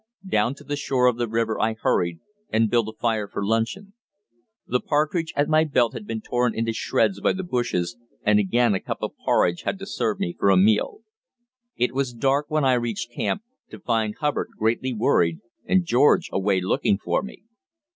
Down to the shore of the river I hurried, and built a fire for luncheon. The partridge at my belt had been torn into shreds by the bushes, and again a cup of porridge had to serve me for a meal. It was dark when I reached camp, to find Hubbard greatly worried and George away looking for me.